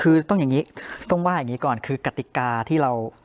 คือต้องอย่างนี้ต้องว่าอย่างนี้ก่อนคือกติกาที่เรา